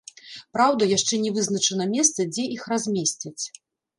Праўда, яшчэ не вызначана месца, дзе іх размесцяць.